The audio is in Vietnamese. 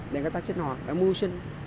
để người ta sinh hoạt để mua sinh